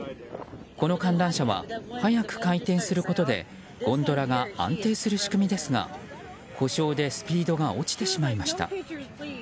この観覧車は速く回転することでゴンドラが安定する仕組みですが故障でスピードが落ちてしまいました。